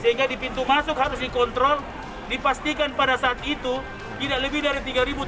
sehingga di pintu masuk harus dikontrol dipastikan pada saat itu tidak lebih dari tiga tujuh ratus